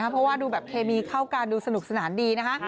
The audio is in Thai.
เพราะว่าดูแบบเคมีเข้ากันดูสนุกสนานดีนะคะ